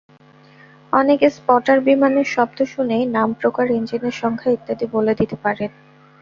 অনেক স্পটার বিমানের শব্দ শুনেই নাম, প্রকার, ইঞ্জিনের সংখ্যা ইত্যাদি বলে দিতে পারেন।